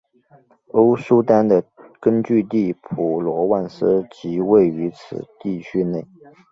欧舒丹的根据地普罗旺斯即位于此地区内。